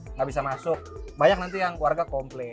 nggak bisa masuk banyak nanti yang warga komplain